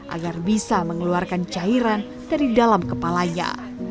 agar bisa mengeluarkan cairan dari dalam kepalanya